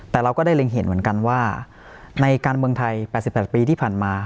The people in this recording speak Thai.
แต่เราก็ได้เล็งเห็นเหมือนกันว่าในการเมืองไทย๘๘ปีที่ผ่านมา